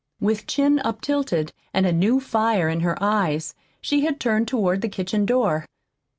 With chin up tilted and a new fire in her eyes, she had turned toward the kitchen door.